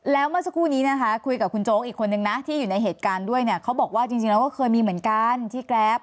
แล้วเมื่อสักครู่นี้นะคะคุยกับคุณโจ๊กอีกคนนึงนะที่อยู่ในเหตุการณ์ด้วยเนี่ยเขาบอกว่าจริงแล้วก็เคยมีเหมือนกันที่แกรป